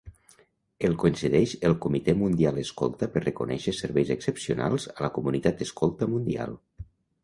El concedeix el Comitè Mundial Escolta per reconèixer serveis excepcionals a la comunitat escolta mundial.